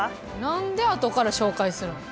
何で後から紹介するん？